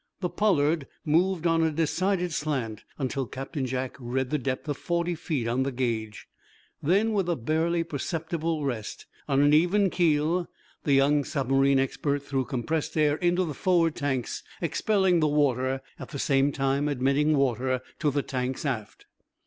The "Pollard" moved on a decided slant until Captain Jack read the depth of forty feet on the gauge. Then, with a barely perceptible rest. On an even keel, the young submarine expert threw compressed air into the forward tanks, expelling the water, at the same time admitting water to the tanks aft.